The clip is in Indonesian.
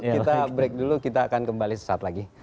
kita break dulu kita akan kembali sesaat lagi